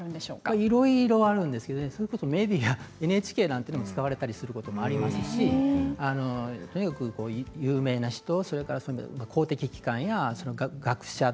いろいろあるんですけれども、それこそメディアＮＨＫなんかも使われたりすることがありますし、有名な人公的機関や学者